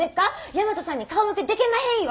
大和さんに顔向けできまへんよ！